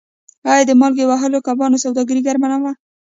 آیا د مالګې وهلو کبانو سوداګري ګرمه نه وه؟